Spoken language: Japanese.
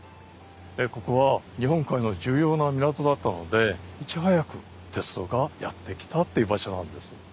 ここは日本海の重要な港だったのでいち早く鉄道がやって来たという場所なんです。